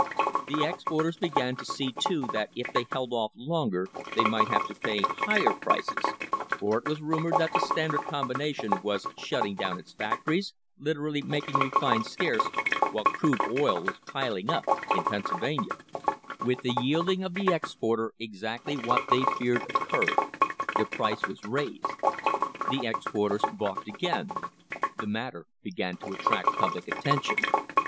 The exporters began to see too that if they held off longer they might have to pay higher prices, for it was rumoured that the Standard Combination was shutting down its factories, literally making refined scarce, while crude oil was piling up in Pennsylvania! [an] THE HISTORY OF THE STANDARD OIL COMPANY With the yielding of the exporter exactly what they feared occurred, the price was raised! The exporters balked again. The matter began to attract public attention.